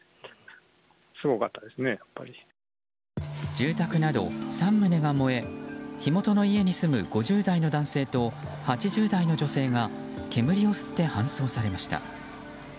住宅など３棟が燃え火元の家に住む５０代の男性と８０代の女性が煙を吸って搬送されました。